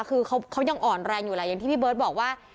คือเขายังอ่อนแรงอยู่แหละอย่างที่พี่เบิร์ตบอกว่า